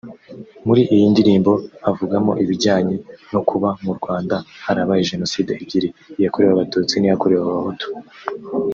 muri iyi ndirimbo avugamo ibijyanye no kuba mu Rwanda harabaye Jenoside ebyiri (iyakorewe Abatusti n’iyakorewe Abahutu)